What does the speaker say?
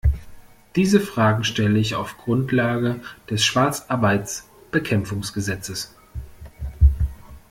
Diese Fragen stelle ich auf Grundlage des Schwarzarbeitsbekämpfungsgesetzes.